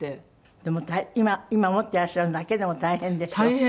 でも今今持ってらっしゃるのだけでも大変でしょ？